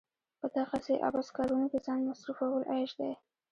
په دغسې عبث کارونو کې ځان مصرفول عيش دی.